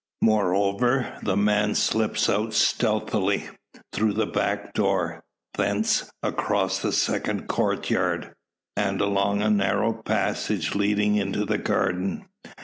Moreover, the man slips out stealthily, through the backdoor; thence across the second courtyard, and along a narrow passage leading into the garden.